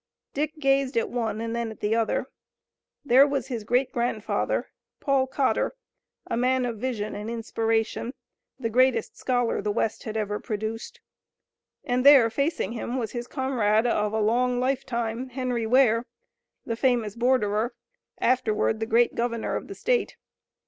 Dick gazed at one and then at the other. There was his great grandfather, Paul Cotter, a man of vision and inspiration, the greatest scholar the west had ever produced, and there facing him was his comrade of a long life time, Henry Ware, the famous borderer, afterward the great governor of the state.